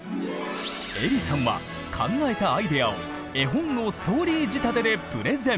えりさんは考えたアイデアを絵本のストーリー仕立てでプレゼン。